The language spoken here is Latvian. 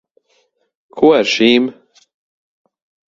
Ko ar šīm?